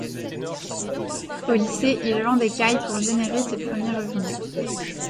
Au lycée, il vend des cailles pour générer ses premiers revenus.